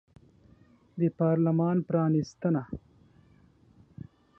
د پارلمان پرانیستنه